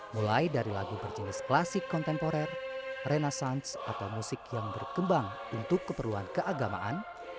mulai dari lagu berjenis klasik kontemporer renasance atau musik yang berkembang untuk keperluan keagamaan